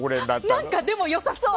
何か、でも良さそう！